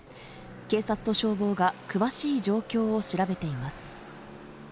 警察と消防が詳しい状況を調べています。